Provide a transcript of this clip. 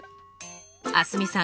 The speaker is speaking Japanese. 蒼澄さん